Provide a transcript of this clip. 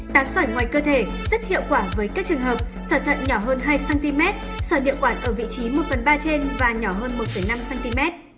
tán sòi ngoài cơ thể rất hiệu quả với các trường hợp sòi thận nhỏ hơn hai cm sòi địa quản ở vị trí một phần ba trên và nhỏ hơn một năm cm